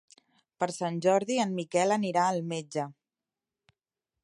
Per Sant Jordi en Miquel anirà al metge.